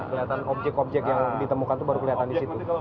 kelihatan objek objek yang ditemukan itu baru kelihatan di situ